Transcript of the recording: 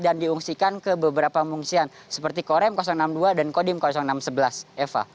dan diungsikan ke beberapa pengungsian seperti korem enam puluh dua dan kodim enam ratus sebelas eva